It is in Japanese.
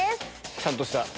ちゃんとした！